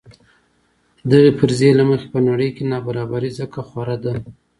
دغې فرضیې له مخې په نړۍ کې نابرابري ځکه خوره ده.